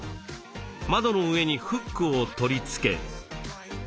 窓の上にフックを取り付け。